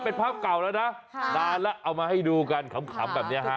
เป็นภาพเก่าแล้วนะนานแล้วเอามาให้ดูกันขำแบบนี้ฮะ